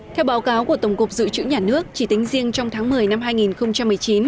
theo báo cáo của tổng cục dự trữ nhà nước chỉ tính riêng trong tháng một mươi năm hai nghìn một mươi chín